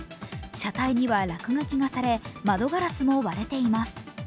車体には落書きがされ、窓ガラスも割れています。